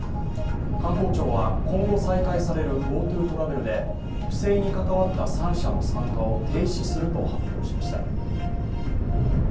観光庁は今後再開されるＧｏＴｏトラベルで不正に関わった３社の参加を停止すると発表しました。